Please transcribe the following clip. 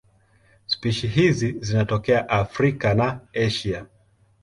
Spishi hizi zinatokea Afrika na Asia.